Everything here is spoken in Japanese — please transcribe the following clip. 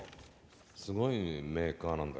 すごいメーカーなんだ。